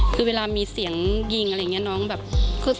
คือเวลามีเสียงยิงอะไรอย่างนี้